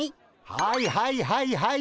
はいはいはいはい！